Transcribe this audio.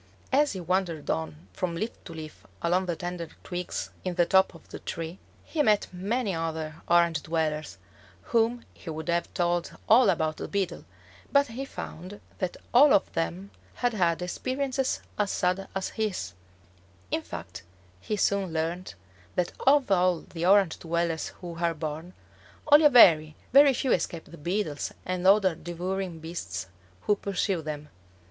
As he wandered on from leaf to leaf along the tender twigs in the top of the tree, he met many other Orange dwellers, whom he would have told all about the Beetle, but he found that all of them had had experiences as sad as his; in fact he soon learned that of all the Orange dwellers who are born, only a very, very few escape the Beetles and other devouring beasts who pursue them.